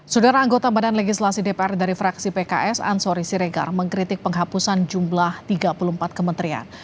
saudara anggota badan legislasi dpr dari fraksi pks ansori siregar mengkritik penghapusan jumlah tiga puluh empat kementerian